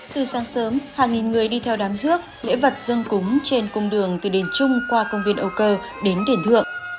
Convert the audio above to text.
từ sáng sớm hàng nghìn người đi theo đám dước lễ vật dân cúng trên cung đường từ đền trung qua công viên âu cơ đến đền thượng